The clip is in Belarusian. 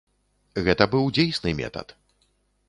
Гэта быў дзейсны метад.